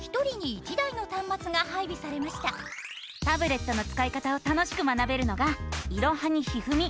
タブレットのつかい方を楽しく学べるのが「いろはにひふみ」。